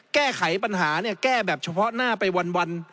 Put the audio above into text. แก้ไขปัญหาเนี่ยแก้แบบเฉพาะหน้าไปวัน